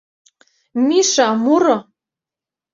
Миша, муро!